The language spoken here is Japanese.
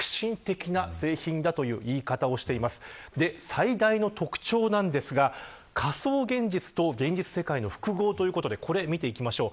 最大の特徴なんですが仮想現実と現実世界の複合ということで見ていきましょう。